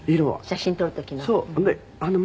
写真撮る時の。